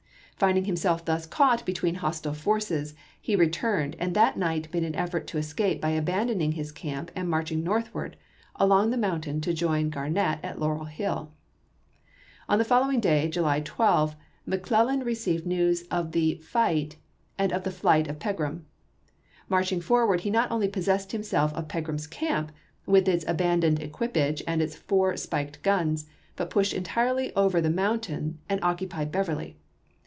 Finding himself thus caught between hostile forces, he re So™,' turned, and that night made an effort to escape wIe.*' Vol hy abandoning his camp and marching northward ■' 266.^ along the mountain to join Garnett at Laurel Hill. 1861. On the following day, July 12, McClellan received news of the fight and the flight of Pegram. March ing forward he not only possessed himself of Pe gram's camp, with its abandoned equipage and its four spiked guns, but pushed entirely over the mountain and occupied Beverly.